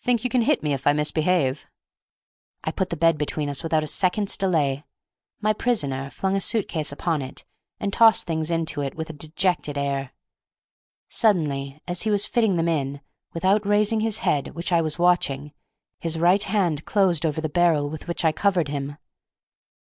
Think you can hit me if I misbehave?" I put the bed between us without a second's delay. My prisoner flung a suit case upon it, and tossed things into it with a dejected air; suddenly, as he was fitting them in, without raising his head (which I was watching), his right hand closed over the barrel with which I covered him.